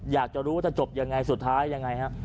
อยากจะรู้ว่าจะจบยังไงสุดท้ายยังไงฮะ